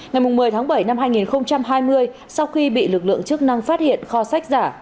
ngày một mươi tháng bảy năm hai nghìn hai mươi sau khi bị lực lượng chức năng phát hiện kho sách giả